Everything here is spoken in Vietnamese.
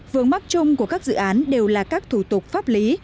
vướng mắt chung của các dự án đều là các thủ tục pháp lý